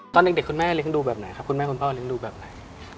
ตอนเด็กคุณแม่เลี้ยงดูแบบไหนครับคุณแม่คุณพ่อเลี้ยงดูแบบไหน